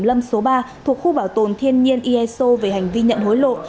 lâm số ba thuộc khu bảo tồn thiên nhiên eso về hành vi nhận hối lộ